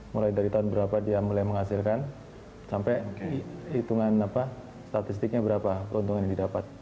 mulai dari tahun berapa dia mulai menghasilkan sampai perhitungan statistiknya berapa